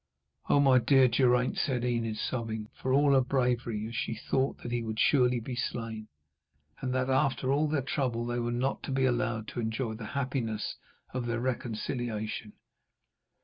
'O my dear Geraint!' said Enid, sobbing, for all her bravery, as she thought that he would surely be slain, and that, after all their trouble, they were not to be allowed to enjoy the happiness of their reconciliation.